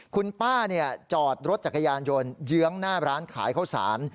คุณป้าจอดรถจักรยานยนต์เยื้องหน้าร้านขายข้าวสาร